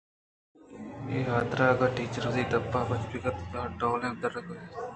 اے حاترا اگاں ٹیچر وتی دپ ءَ پچ کنت یا ہر ڈولیں بد ءُرد یا دپ جیڑگ کنت